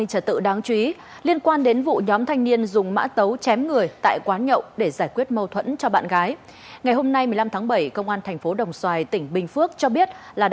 hãy đăng ký kênh để ủng hộ kênh của chúng mình nhé